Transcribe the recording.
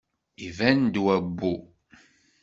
Iban-d wabbu.